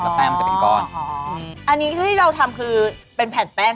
ผสมมันเข้ากัน